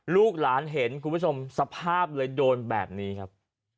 ลูกหลานเห็นคุณผู้ชมสภาพเลยโดนแบบนี้ครับ